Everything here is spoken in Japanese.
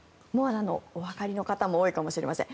もうおわかりの方も多いかもしれません。